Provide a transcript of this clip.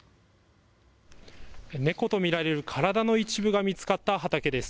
猫と見られる体の一部が見つかった畑です。